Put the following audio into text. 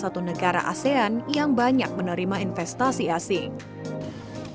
jadi yang di negara asean yang banyak menerima investasi asing yang banyak menerima investasi asing